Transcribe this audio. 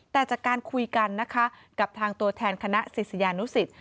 แต่จากการคุยกันนะคะกับทางตัวแทนคณะศิษยานุสิต